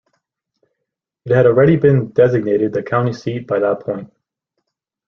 It had already been designated the county seat by that point.